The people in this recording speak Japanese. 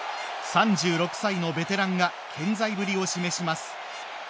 ３６歳のベテランが健在ぶりを示します。